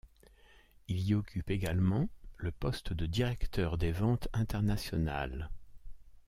Il y occupe également le poste de directeur des ventes internationales.